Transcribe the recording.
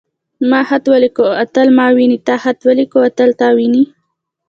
ما خط وليکه. اتل ما ويني.تا خط وليکه. اتل تا ويني.